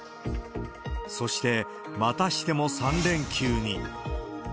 そして、またしても３連休に。